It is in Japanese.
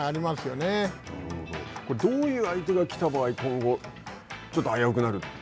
これ、どういう相手が来た場合今後、ちょっと危うくなるというか。